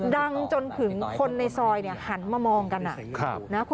จนถึงคนในซอยหันมามองกัน